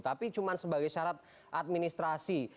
tapi cuma sebagai syarat administrasi